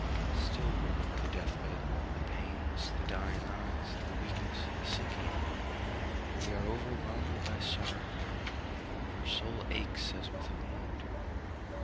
Still we remember the death bed, the pains, the dying eyes, the weakness, the sinking we are overwhelmed by sorrow, and our souls ache as with a wound.